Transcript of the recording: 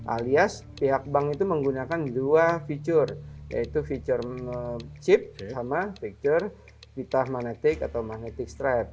alias pihak bank itu menggunakan dua fitur yaitu fitur chip sama fitur pita magnetic atau magnetic strip